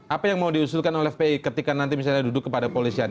apa yang mau diusulkan oleh fpi ketika nanti misalnya duduk kepada polisian